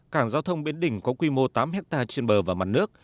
cảng giao thông bến đình có quy mô tám hectare trên bờ và mặt nước